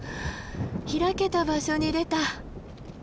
開けた場所に出た。